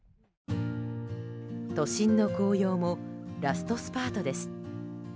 都心の紅葉もラストスパートです。